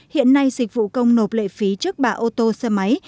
hiện nay dịch vụ công nộp lệ phí trước bạ ô tô xe máy